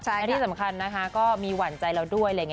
และที่สำคัญก็มีหวั่นใจเราด้วย